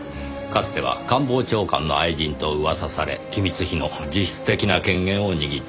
かつては官房長官の愛人と噂され機密費の実質的な権限を握っていたようです。